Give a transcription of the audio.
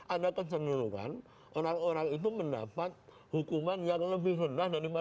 ada kecenderungan orang orang itu mendapat hukuman yang lebih rendah daripada